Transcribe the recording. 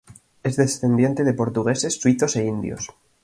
Es descendiente de portugueses, suizos e indios.